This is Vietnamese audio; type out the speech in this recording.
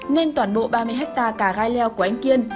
nên toàn bộ ba mươi hectare cà gai leo của anh kiên